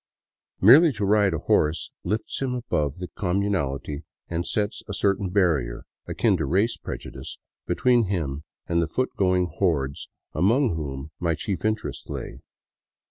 Merely to ride a horse lifts him above the communality and sets a certain barrier, akin to race prejudice, between him and the foot going hordes among whom my chief interest lay.